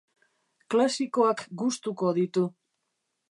Klasikoak gustuko ditu.